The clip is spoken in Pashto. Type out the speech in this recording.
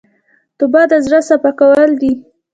توبه د زړه صفا کول دي.